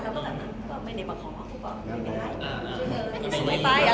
ก็บอก้าวไม่ได้มาขอก็บอกเน่าไม่ได้